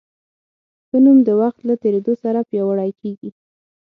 ښه نوم د وخت له تېرېدو سره پیاوړی کېږي.